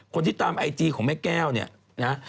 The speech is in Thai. ตามไอจีของแม่แก้วเนี่ยนะ